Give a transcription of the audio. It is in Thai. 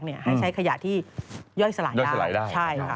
ให้ใช้ขยะที่ย่อยสลายได้